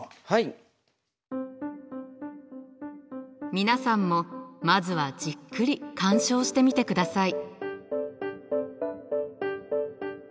皆さんもまずはじっくり鑑賞してみてください。